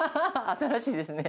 新しいですね。